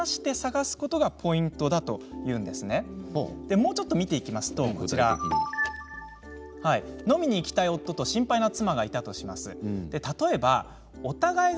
もうちょっと見ていきますと飲みに行きたい夫と心配な妻。